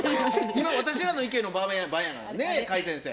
今私らの意見の場やないね甲斐先生。